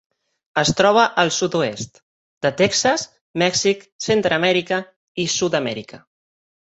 Es troba al sud-oest de Texas, Mèxic, Centreamèrica i Sud-amèrica.